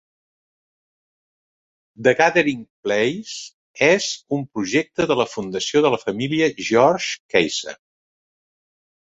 The Gathering Place és un projecte de la fundació de la família George Kaiser.